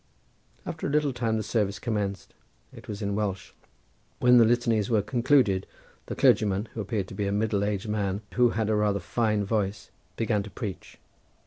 After a little time the service commenced; it was in Welsh. When the litanies were concluded the clergyman, who appeared to be a middle aged man, and who had rather a fine voice, began to preach.